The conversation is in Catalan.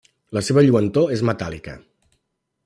La seva lluentor és metàl·lica.